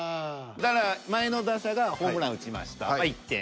だから前の打者がホームラン打ちましたまあ１点。